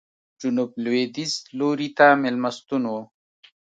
جنوب لوېدیځ لوري ته مېلمستون و.